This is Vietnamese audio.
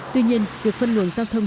tuy nhiên việc phân luồng giao thông